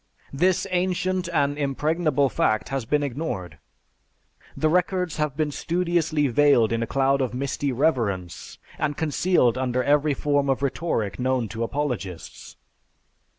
This ancient and impregnable fact has been ignored. The records have been studiously veiled in a cloud of misty reverence, and concealed under every form of rhetoric known to apologists."